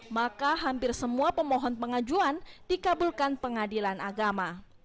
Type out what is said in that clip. maka hampir semua pemohon pengajuan dikabulkan pengadilan agama